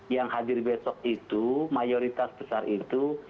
yang hadir besok itu mayoritas besar itu